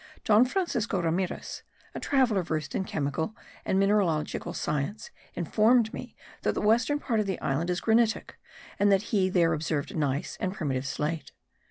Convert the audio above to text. Don Francisco Ramirez, a traveller versed in chemical and mineralogical science, informed me that the western part of the island is granitic, and that he there observed gneiss and primitive slate.